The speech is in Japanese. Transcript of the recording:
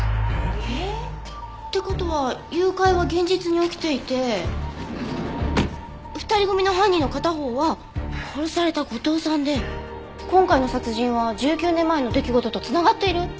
えっ！？って事は誘拐は現実に起きていて２人組の犯人の片方は殺された後藤さんで今回の殺人は１９年前の出来事と繋がっている？